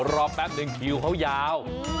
รอแป๊บหนึ่งเคลียวเขายาว